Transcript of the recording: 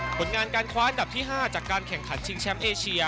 ผลงานการคว้าอันดับที่๕จากการแข่งขันชิงแชมป์เอเชีย